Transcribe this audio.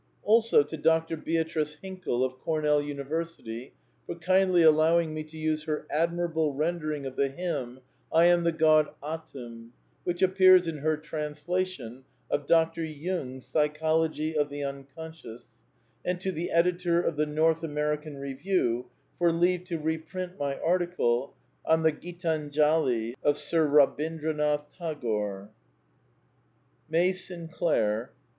Also to Dr. Beatrice Hinkle of Cornell Uni versity, for kindly allowing me to use her admirable ren dering of the Hymn " I am the God Atum," which ap pears in her translation of Dr. Jung's Psychology of the Unconscious; and to the Editor of The North American Review for leave to reprint my article on the " Gitanjali of Sir Eabindranath Tagore." May Sinolais.